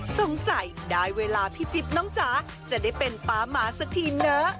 สงสัยได้เวลาพี่จิ๊บน้องจ๋าจะได้เป็นป๊าหมาสักทีเนอะ